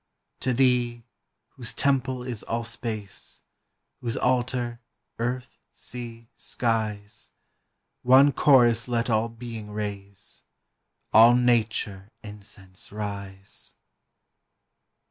To thee, whose temple is all space, Whose altar, earth, sea, skies, One chorus let all Being raise, All Nature incense rise!